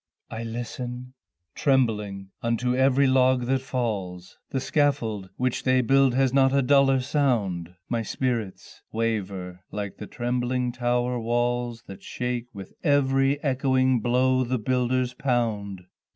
I listen trembling unto every log that falls, The scaffold, which they build, has not a duller sound, My spirits waver, like the trembling tower walls that shake with every echoing blow the builders pound.